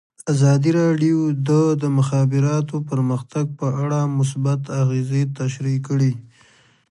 ازادي راډیو د د مخابراتو پرمختګ په اړه مثبت اغېزې تشریح کړي.